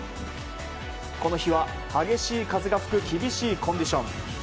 この日は、激しい風が吹く厳しいコンディション。